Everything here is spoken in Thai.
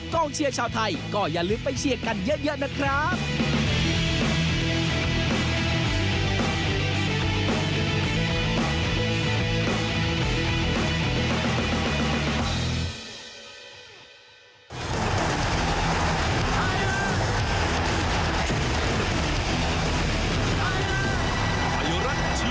กล้องเชื่อชาวไทยก็อย่าลืมไปเชื่อกันเยอะนะครับ